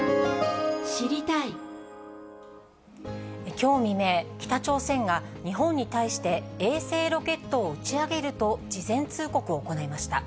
きょう未明、北朝鮮が日本に対して、衛星ロケットを打ち上げると事前通告を行いました。